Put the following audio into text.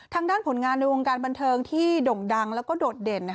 ทางด้านผลงานในวงการบันเทิงที่ด่งดังแล้วก็โดดเด่น